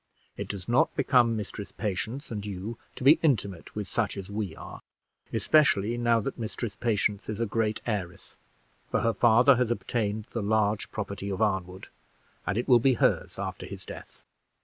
It does not become Mistress Patience and you to be intimate with such as we are, especially now that Mistress Patience is a great heiress; for her father has obtained the large property of Arnwood, and it will be hers after his death.